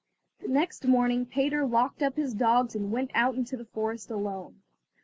The next morning Peter locked up his dogs and went out into the forest alone.